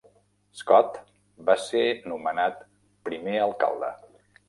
Scott va ser nomenat primer alcalde.